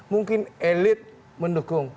mungkin elit mendukung